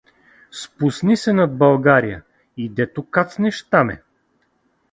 Спусни се над България и дето кацнеш, там е.